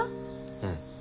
うん。